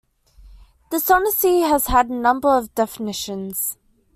Dishonesty has had a number of definitions.